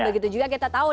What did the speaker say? begitu juga kita tahu